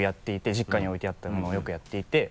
実家に置いてあったものをよくやっていて。